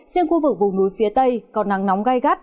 riêng khu vực vùng núi phía tây có nắng nóng gai gắt